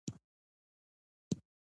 پامیر د افغانانو د ګټورتیا یوه مهمه برخه ده.